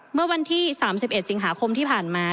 เมื่อวันที่๓๑สิงหาคมที่ผ่านมา